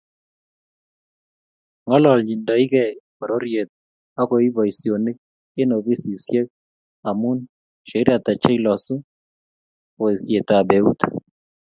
Ngololndochinkei pororiet ak koib boisionik eng ofisiisek amu shairi hata cheilosu boisietab eut?